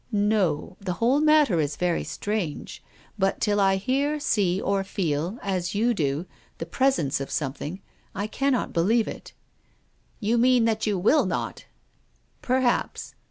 " No. The whole matter is very strange. But till I hear, see, or feel — as you do — the presence of something, I cannot believe." " You mean that you will not ?"" Perhaps.